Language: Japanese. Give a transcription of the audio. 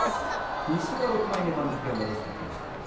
西の６枚目番付を戻してきました。